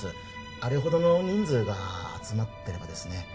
あれほどの人数が集まってればですね